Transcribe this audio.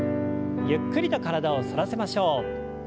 ゆっくりと体を反らせましょう。